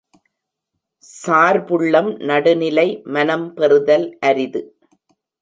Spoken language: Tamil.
சார்புள்ளம் நடுநிலை மனம் பெறுதல் அரிது.